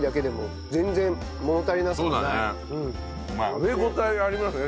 食べ応えありますね